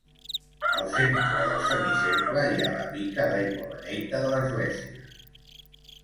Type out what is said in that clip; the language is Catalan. Al centre del semicercle hi ha la pica d'aigua beneita de l'església.